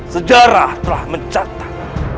sejarah telah mencatat